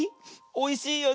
おいしいよね。